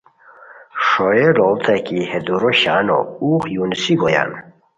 ݰوئیے لوڑیتائے کی ہے دورو شانو اوغ یونیسی گویان